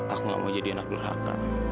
aku gak mau jadi anak durhaka